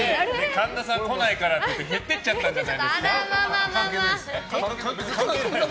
神田さん来ないからって減っていっちゃったんじゃないですか。